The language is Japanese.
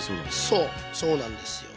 そうそうなんですよ。